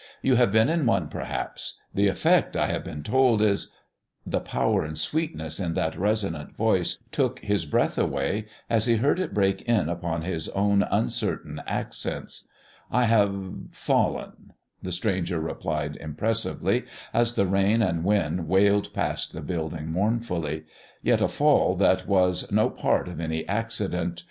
"You have been in one perhaps. The effect, I have been told, is " The power and sweetness in that resonant voice took his breath away as he heard it break in upon his own uncertain accents: "I have fallen," the stranger replied impressively, as the rain and wind wailed past the building mournfully, "yet a fall that was no part of any accident.